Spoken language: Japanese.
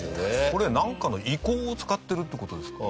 これなんかの遺構を使ってるって事ですか？